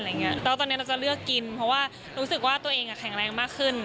แล้วตอนนี้เราจะเลือกกินเพราะว่ารู้สึกว่าตัวเองแข็งแรงมากขึ้น